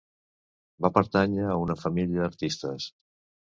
Va pertànyer a una família d'artistes.